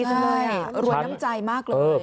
รวมน้ำใจมากเลย